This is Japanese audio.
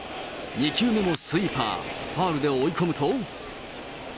２球目もスイーパー、ファウルで追い込むと。